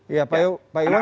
ya pak iwan